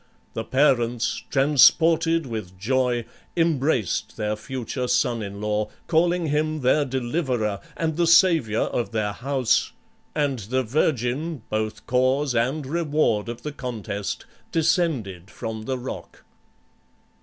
The parents, transported with joy, embraced their future son in law, calling him their deliverer and the savior of their house, and the virgin both cause and reward of the contest, descended from the rock.